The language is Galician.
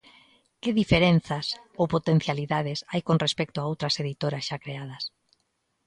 Que diferenzas ou potencialidades hai con respecto a outras editoras xa creadas?